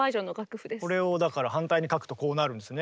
これをだから反対に書くとこうなるんですね。